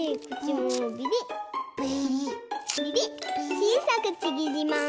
ちいさくちぎります。